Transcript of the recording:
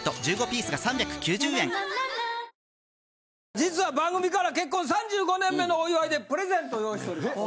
実は番組から結婚３５年目のお祝いでプレゼントを用意しております。